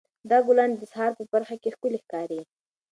دا ګلان د سهار په پرخه کې ښکلي ښکاري.